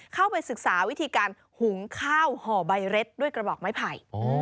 เข้าไปศึกษาวิธีการหุงข้าวห่อใบเร็ดด้วยกระบอกไม้ไผ่